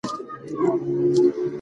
ماشوم په چیغو سره د باندې ووت.